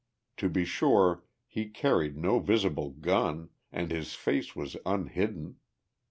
To be sure he carried no visible gun and his face was unhidden.